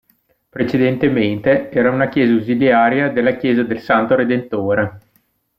Precedentemente, era una chiesa ausiliaria della chiesa del Santo Redentore.